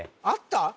あった？